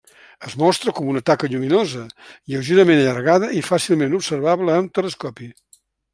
Es mostra com una taca lluminosa, lleugerament allargada i fàcilment observable amb telescopi.